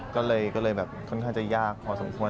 ก็เลยแบบค่อนข้างจะยากพอสมควร